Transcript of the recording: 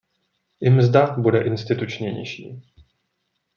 I mzda bude institučně nižší.